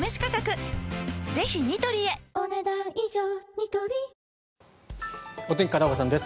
ニトリお天気、片岡さんです。